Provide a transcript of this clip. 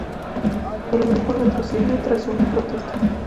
El grupo retrocedió tras una protesta.